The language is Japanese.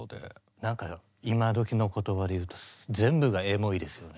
何か今どきの言葉で言うと全部がエモいですよね。